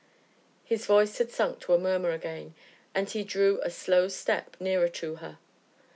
His voice had sunk to a murmur again, and he drew a slow step nearer to her.